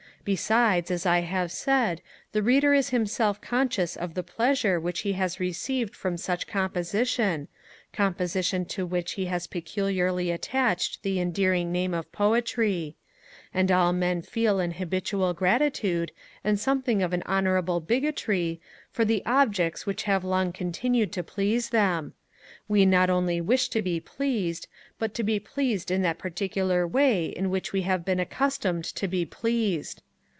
Besides, as I have said, the Reader is himself conscious of the pleasure which he has received from such composition, composition to which he has peculiarly attached the endearing name of Poetry; and all men feel an habitual gratitude, and something of an honourable bigotry, for the objects which have long continued to please them: we not only wish to be pleased, but to be pleased in that particular way in which we have been accustomed to be pleased.